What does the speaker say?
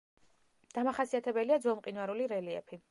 დამახასიათებელია ძველმყინვარული რელიეფი.